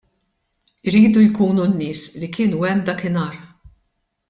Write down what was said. Iridu jkunu n-nies li kienu hemm dakinhar.